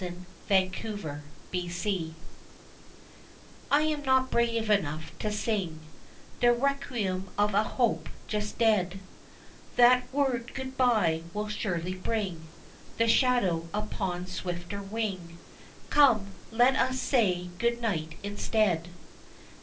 ] Good Night I am not brave enough to sing The requiem of a hope just dead, That word good bye will surely bring The shadow upon swifter wing, Come, let us say good night instead.